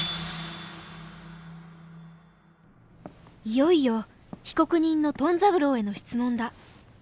いよいよ被告人のトン三郎への質問だ。